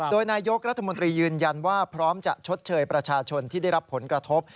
โดยนายกรัฐมนตรียืนยันว่าพร้อมจะชดเชยประชาชนที่ได้รับผลกระทบ